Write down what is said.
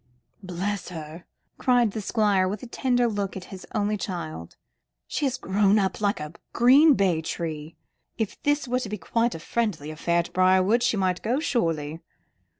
"Bless her!" cried the Squire, with a tender look at his only child, "she has grown up like a green bay tree. But if this were to be quite a friendly affair at Briarwood, she might go, surely."